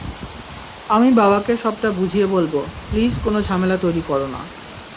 আমি বাবাকে সবটা বুঝিয়ে বলবো প্লিজ কোনো ঝামেলা তৈরি কর না।